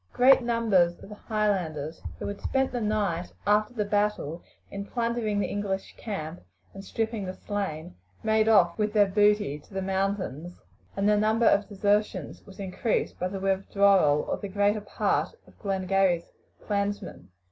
Great numbers of the Highlanders, who had spent the night after the battle in plundering the English camp and stripping the slain, made off with their booty to the mountains, and the number of desertions was increased by the withdrawal of the greater part of Glengarry's clansmen.